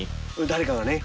誰かがね。